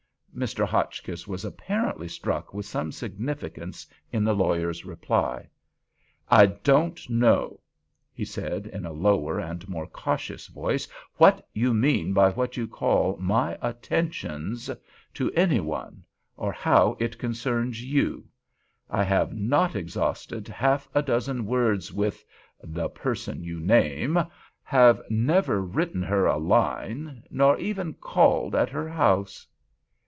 Mr. Hotchkiss was apparently struck with some significance in the lawyer's reply. "I don't know," he said, in a lower and more cautious voice, "what you mean by what you call 'my attentions' to—any one—or how it concerns you. I have not exhausted half a dozen words with—the person you name—have never written her a line—nor even called at her house."